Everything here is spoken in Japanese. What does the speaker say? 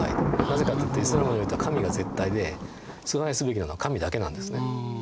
なぜかというとイスラームにおいては神が絶対で崇拝すべきなのは神だけなんですね。